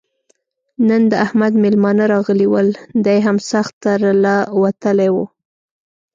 نن د احمد مېلمانه راغلي ول؛ دی هم سخت تر له وتلی وو.